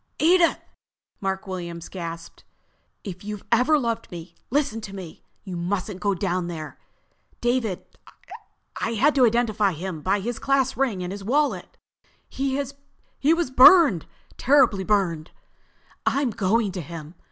"Edith!" Mark Williams gasped. "If you've ever loved me, listen to me. You mustn't go down there. David—I had to identify him by his class ring and his wallet. He was burned—terribly burned!" "I'm going to him!"